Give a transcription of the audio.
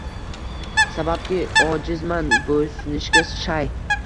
Sababki, ojizman, bo’ysunishga shay